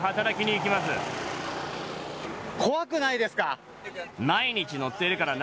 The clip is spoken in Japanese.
怖くないですか。